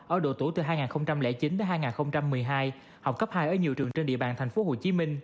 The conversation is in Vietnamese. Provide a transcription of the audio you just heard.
ở độ tuổi từ hai nghìn chín đến hai nghìn một mươi hai học cấp hai ở nhiều trường trên địa bàn tp hcm